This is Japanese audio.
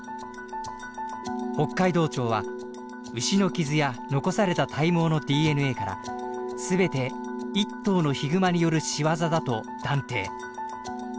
北海道庁は牛の傷や残された体毛のＤＮＡから全て一頭のヒグマによる仕業だと断定。